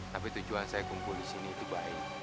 tapi tujuan saya kumpul disini itu baik